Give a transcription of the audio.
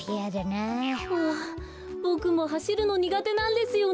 あボクもはしるのにがてなんですよね。